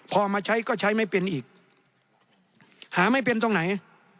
พอมาใช้ก็ใช้ไม่เป็นอีกหาไม่เป็นตรงไหน